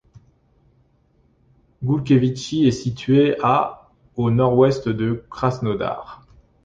Goulkevitchi est située à au nord-est de Krasnodar.